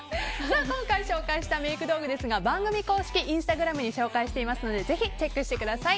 今回、紹介したメイク道具ですが番組公式インスタグラムで紹介していますのでぜひ、チェックしてください。